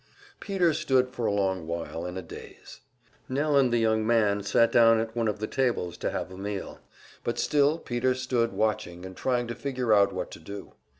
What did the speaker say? Peter stood for a long while in a daze. Nell and the young man sat down at one of the tables to have a meal, but still Peter stood watching and trying to figure out what to do.